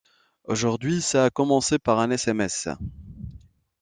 Aujourd’hui ça a commencé par un sms.